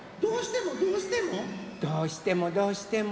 どうしてもどうしても？